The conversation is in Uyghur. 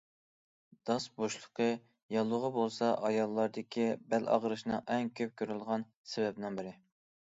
داس بوشلۇقى ياللۇغى بولسا ئاياللاردىكى بەل ئاغرىشنىڭ ئەڭ كۆپ كۆرۈلىدىغان سەۋەبىنىڭ بىرى.